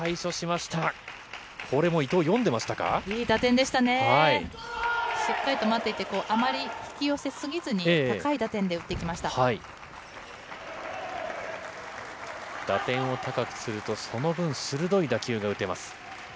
しっかりと待っていて、あまり引き寄せ過ぎずに、打点を高くするとその分、鋭い打球が打てます。